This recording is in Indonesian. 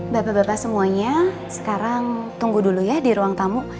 bapak bapak semuanya sekarang tunggu dulu ya di ruang tamu